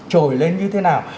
trồi lên như thế nào